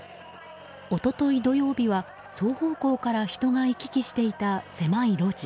一昨日土曜日は、双方向から人が行き来していた狭い路地。